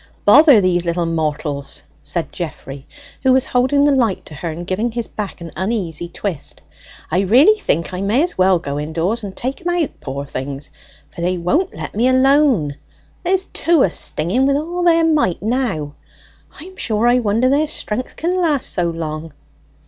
"Bother these little mortals!" said Geoffrey, who was holding the light to her, and giving his back an uneasy twist. "I really think I may as well go indoors and take 'em out, poor things! for they won't let me alone. There's two a stinging wi' all their might now. I'm sure I wonder their strength can last so long."